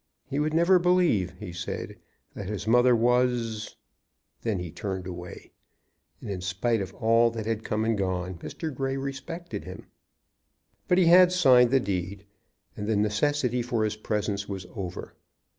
He would never believe, he said, that his mother was Then he turned away, and, in spite of all that had come and gone, Mr. Grey respected him. But he had signed the deed, and the necessity for his presence was over.